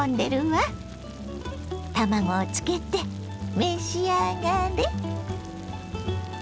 卵をつけて召し上がれ！